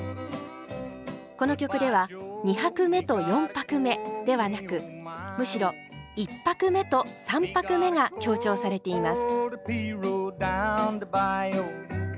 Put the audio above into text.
この曲では２拍目と４拍目ではなくむしろ１拍目と３拍目が強調されています。